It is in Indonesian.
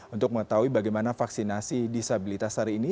untuk mengetahui bagaimana vaksinasi disabilitas hari ini